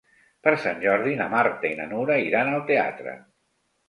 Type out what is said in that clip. Per Sant Jordi na Marta i na Nura iran al teatre.